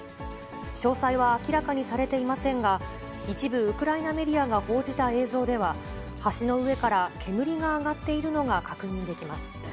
詳細は明らかにされていませんが、一部ウクライナメディアが報じた映像では、橋の上から煙が上がっているのが確認できます。